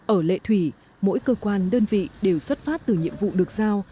ở lệ thủy mỗi cơ quan đơn vị đều xuất phát từ nhiệm vụ được giao